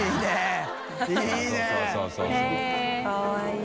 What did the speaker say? かわいい。